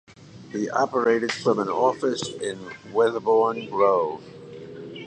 He operated from an office in Westbourne Grove.